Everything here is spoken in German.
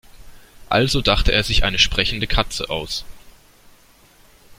Also dachte er sich eine sprechende Katze aus.